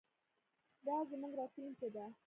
دا زموږ راتلونکی دی.